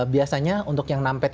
biasanya untuk yang numpad